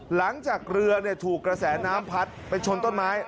หลังจากเรือถูกกระแสน้ำพัดไปชนต้นไม้